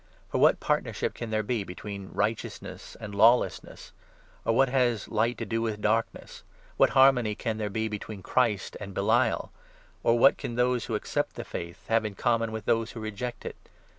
For what partnership Heathen in. can there be between righteousness and lawless fiuences. negs ? Qr wjiat j^g light to do with darkness ? What harmony can there be between Christ and Belial ? or 15 what can those who accept the Faith have in common with those who reject it